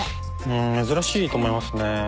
うん珍しいと思いますね。